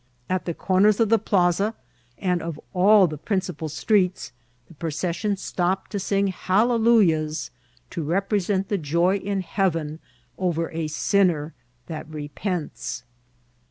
At the corners of the plaza and of all the principal streets, the procession stopped to sing hallelujahs, to represent the joy in Heaven over a sinner tiiat repents.